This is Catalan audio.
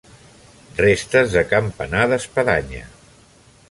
Restes de campanar d'espadanya.